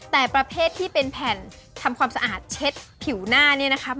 แต่ประเภทที่เป็นแผ่นทำความสะอาดเช็ดผิวหน้าเนี่ยนะครับ